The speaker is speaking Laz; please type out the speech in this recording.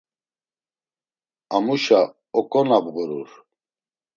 Amuşa oǩonabğurur.